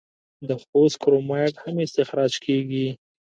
د خوست کرومایټ هم استخراج کیږي.